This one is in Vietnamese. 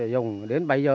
dùng đến bây giờ